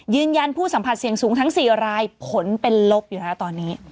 ยืนยันผู้สัมผัสเสี่ยงสูงทั้ง๔รายผลเป็นลบอยู่แล้วตอนนี้